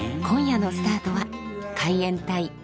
今夜のスタートは海援隊